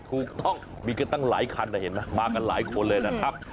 ถูกต้องมีกันตั้งหลายคันนะเห็นไหมมากันหลายคนเลยนะครับ